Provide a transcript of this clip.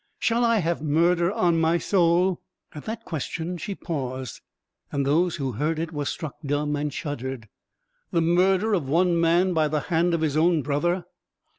Shall I have murder on my soul?" At that question she paused, and those who heard it were struck dumb and shuddered. "The murder of one man by the hand of his own brother!